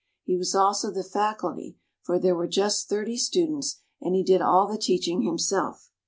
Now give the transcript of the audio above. He was also the faculty, for there were just thirty students and he did all the teaching himself.